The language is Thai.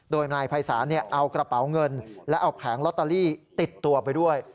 โดยนายภัยศาลเอากระเป๋าเงินและเอาแผงลอตเตอรี่ติดตัวไปด้วย